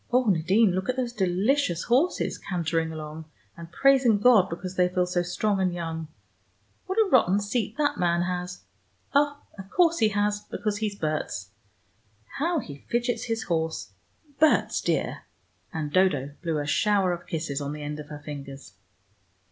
Oh, Nadine, look at those delicious horses, cantering along, and praising God because they feel so strong and young! What a rotten seat that man has: oh, of course he has, because he's Berts. How he fidgets his horse Berts, dear " And Dodo blew a shower of kisses on the end of her fingers.